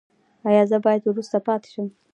ایا زه باید وروسته پاتې شم؟